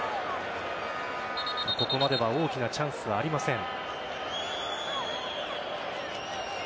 ここまでは大きなチャンスはありません。